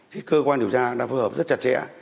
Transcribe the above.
cơ quan điều tra đã phù hợp rất chặt chẽ